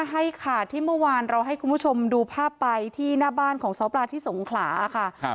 ให้ค่ะที่เมื่อวานเราให้คุณผู้ชมดูภาพไปที่หน้าบ้านของซ้อปลาที่สงขลาค่ะ